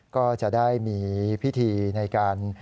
ก็จะได้มีพิธีในการ